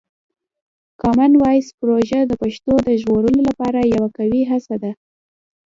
کامن وایس پروژه د پښتو د ژغورلو لپاره یوه قوي هڅه ده.